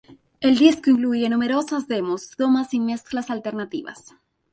El disco incluía numerosas demos, tomas y mezclas alternativas.